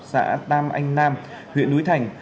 xã tam anh nam huyện núi thành